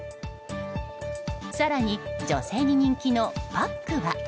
更に女性に人気のパックは。